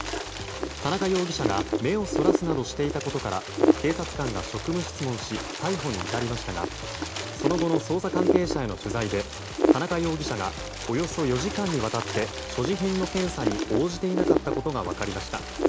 田中容疑者が目をそらすなどしていたことから警察官が職務質問し逮捕に至りましたがその後の捜査関係者への取材で田中容疑者がおよそ４時間にわたって所持品の検査に応じていなかったことが分かりました。